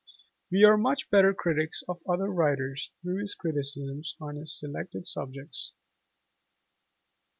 We are much better critics of other writers through his criticisms on his selected subjects.